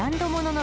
の